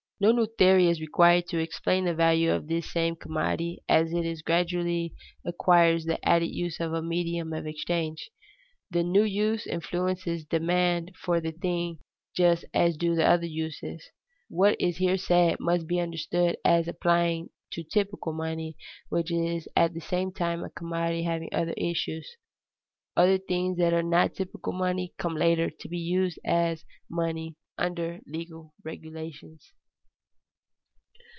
No new theory is required to explain the value of this same commodity as it gradually acquires the added use of a medium of exchange. The new use influences demand for the thing just as do the other uses. What is here said must be understood as applying to typical money, which is at the same time a commodity having other uses. Other things that are not typical money come later to be used as money, under legal regulations.